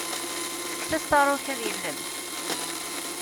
Fket-as taruka ad yellem.